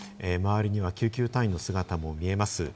周りには救急隊員の姿も見えます。